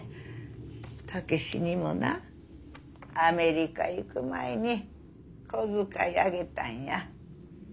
武志にもなアメリカ行く前に小遣いあげたんや。